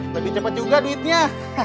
lebih cepet juga duitnya